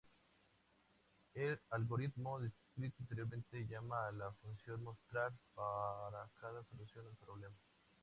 El algoritmo descrito anteriormente llama a la función "mostrar" para cada solución al problema.